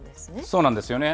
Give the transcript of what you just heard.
そうなんですよね。